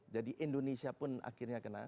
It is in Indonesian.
jadi indonesia pun akhirnya kena